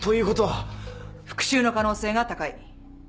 復讐の可能性が高い。